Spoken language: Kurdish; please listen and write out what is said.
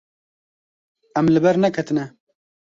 Em li ber neketine.